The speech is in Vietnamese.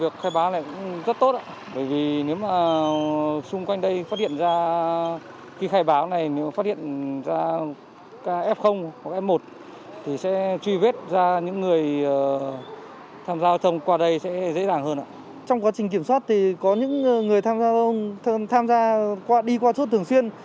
trong quá trình kiểm soát thì có những người tham gia đi qua chốt thường xuyên